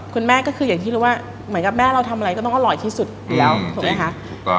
คุณแม่ก็คืออย่างที่รู้ว่าเหมือนกับแม่เราทำอะไรก็ต้องอร่อยที่สุดถูกไหมคะ